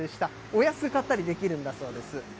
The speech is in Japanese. お安く買ったりできるんだそうです。